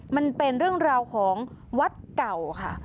มันเป็นเรื่องราวของวัดเก่าค่ะ